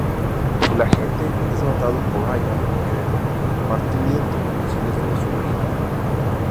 El agente es matado por Ryan en el compartimento de misiles del submarino.